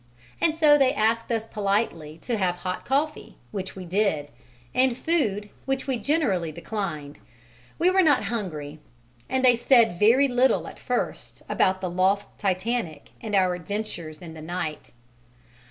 And so they asked us politely to have hot coffee, which we did; and food, which we generally declined, we were not hungry, and they said very little at first about the lost Titanic and our adventures in the night.